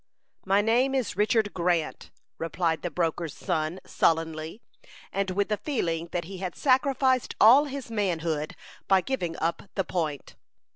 "My name is Richard Grant," replied the broker's son, sullenly, and with the feeling that he had sacrificed all his manhood by giving up the point.